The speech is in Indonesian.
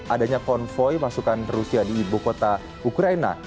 adanya konvoy masukan rusia di ibu kota ukraina